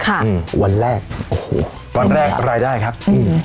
อืมวันแรกโอ้โหวันแรกรายได้ครับอืม